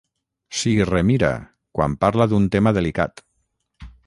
S'hi remira, quan parla d'un tema delicat.